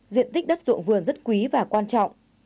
diện tích đất ruộng vườn rất quý và quan trọng